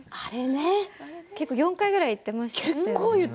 ４回ぐらい言っていましたね。